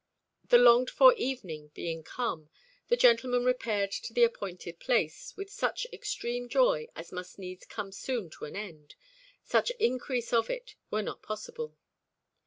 The longed for evening being come, the gentleman repaired to the appointed place with such extreme joy as must needs come soon to an end, since increase of it were not possible.